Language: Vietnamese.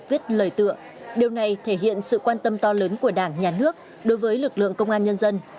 viết lời tựa điều này thể hiện sự quan tâm to lớn của đảng nhà nước đối với lực lượng công an nhân dân